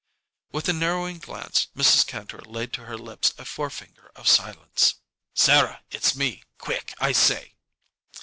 With a narrowing glance, Mrs. Kantor laid to her lips a forefinger of silence. "Sarah, it's me! Quick, I say!"